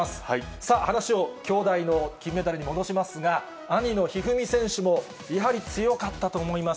さあ、話を兄妹の金メダルに戻しますが、兄の一二三選手もやはり強かったと思います。